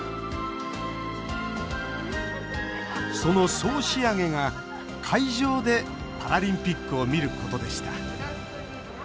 その総仕上げが会場でパラリンピックを見ることでした。